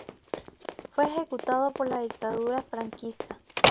Fue ejecutado por la dictadura franquista.